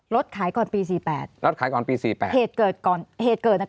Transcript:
รถขายก่อนปีสี่แปดรถขายก่อนปีสี่แปดเหตุเกิดก่อนเหตุเกิดเนี้ย